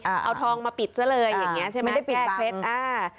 อ่าเอาทองมาปิดซะเลยอย่างเงี้ยใช่ไหมไม่ได้ปิดบางแก้เคล็ดอ่า